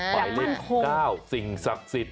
หมายเลข๙สิ่งศักดิ์สิทธิ